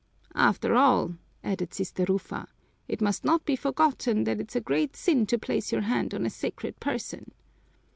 "After all," added Sister Rufa, "it must not be forgotten that it's a great sin to place your hand on a sacred person."